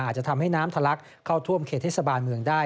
อาจจะทำให้น้ำทะลักเข้าท่วมเขตเทศบาลเมืองได้